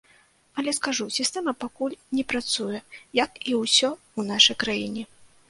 Але скажу, сістэма пакуль не працуе, як і ўсё ў нашай краіне.